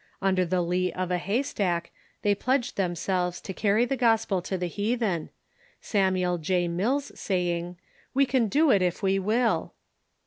Under the lee of a hay stack they pledged themselves to carry the gospel to the heathen, Samuel J. Mills saying, "We can do it if we will."